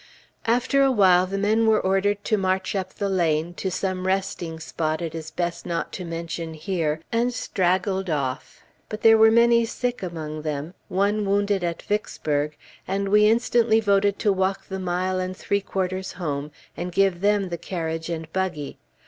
After a while the men were ordered to march up the lane, to some resting spot it is best not to mention here, and straggled off; but there were many sick among them, one wounded at Vicksburg, and we instantly voted to walk the mile and three quarters home, and give them the carriage and buggy.